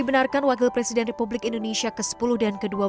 dibenarkan wakil presiden republik indonesia ke sepuluh dan ke dua belas